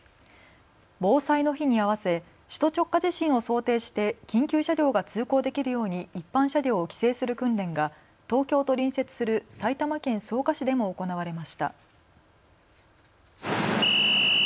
防災の日に合わせ首都直下地震を想定して緊急車両が通行できるように一般車両を規制する訓練が東京と隣接する埼玉県草加市でも行われました。